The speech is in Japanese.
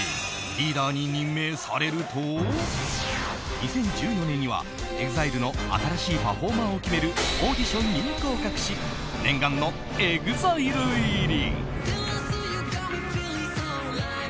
リーダーに任命されると２０１４年には、ＥＸＩＬＥの新しいパフォーマーを決めるオーディションに合格し念願のＥＸＩＬＥ入り。